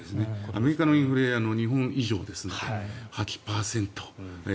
アメリカのインフレ日本以上ですので。